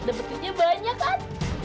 dabatinya banyak kan